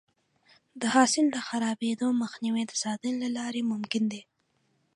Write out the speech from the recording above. د حاصل د خرابېدو مخنیوی د ساتنې له لارې ممکن دی.